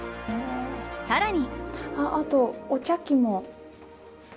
さらに。